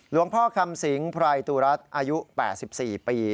หลวงพ่อคำสิงไพรตุรัสอายุ๘๔ปี